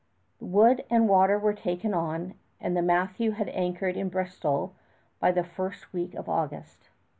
Wood and water were taken on, and the Matthew had anchored in Bristol by the first week of August.